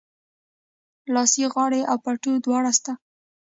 لاسي غاړه او پټو دواړه سته